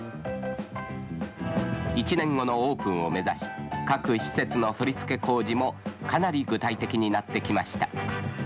１年後のオープンを目指し各施設の取り付け工事もかなり具体的になってきました